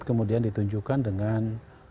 kemudian ditunjukkan dengan